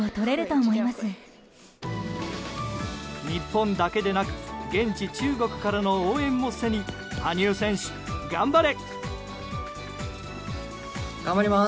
日本だけでなく現地・中国からの応援も背に羽生選手、頑張れ！